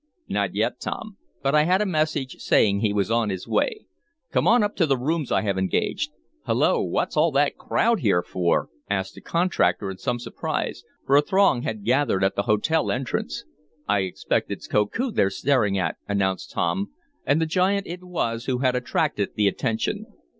"Not yet, Tom. But I had a message saying he was on his way. Come on up to the rooms I have engaged. Hello, what's all the crowd here for?" asked the contractor in some surprise, for a throng had gathered at the hotel entrance. "I expect it's Koku they're staring at," announced Tom, and the giant it was who had attracted the attention.